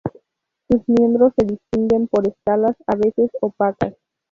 Sus miembros se distinguen por escalas a veces opacas.